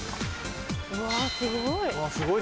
うわすごい！